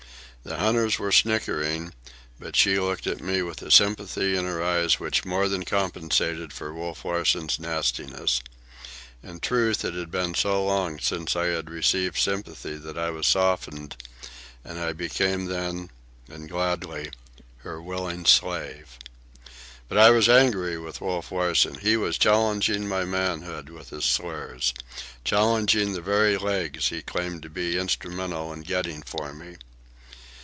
The hunters were snickering, but she looked at me with a sympathy in her eyes which more than compensated for Wolf Larsen's nastiness. In truth, it had been so long since I had received sympathy that I was softened, and I became then, and gladly, her willing slave. But I was angry with Wolf Larsen. He was challenging my manhood with his slurs, challenging the very legs he claimed to be instrumental in getting for me.